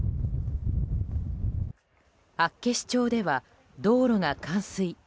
厚岸町では道路が冠水。